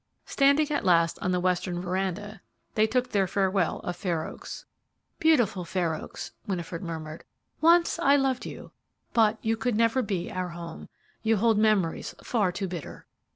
Standing at last on the western veranda, they took their farewell of Fair Oaks. "Beautiful Fair Oaks!" Winifred murmured; "once I loved you; but you could never be our home; you hold memories far too bitter!"